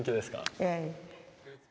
ええ。